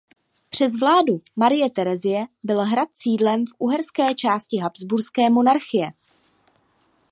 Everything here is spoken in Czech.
Přes vládu Marie Terezie byl hrad sídlem v uherské části Habsburské monarchie.